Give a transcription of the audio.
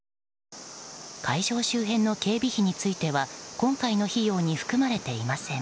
会場周辺の警備費については今回の費用に含まれていません。